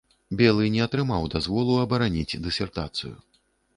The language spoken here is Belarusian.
Белы не атрымаў дазволу абараніць дысертацыю.